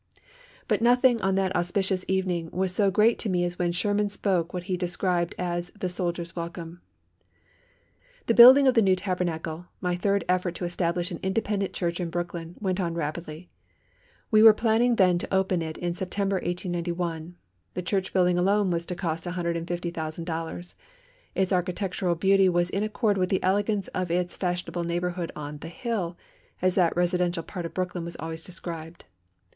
But nothing on that auspicious evening was so great to me as when Sherman spoke what he described as the soldier's welcome: "How are you, old fellow, glad to see you!" he said. The building of the new Tabernacle, my third effort to establish an independent church in Brooklyn, went on rapidly. We were planning then to open it in September, 1891. The church building alone was to cost $150,000. Its architectural beauty was in accord with the elegance of its fashionable neighbourhood on "The Hill," as that residential part of Brooklyn was always described.